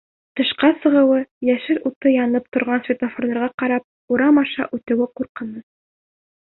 Тышҡа сығыуы, йәшел уты янып торған светофорға ҡарап урам аша үтеүе ҡурҡыныс.